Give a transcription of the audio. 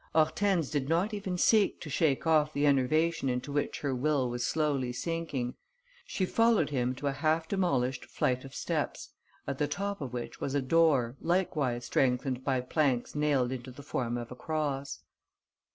Hortense did not even seek to shake off the enervation into which her will was slowly sinking. She followed him to a half demolished flight of steps at the top of which was a door likewise strengthened by planks nailed in the form of a cross.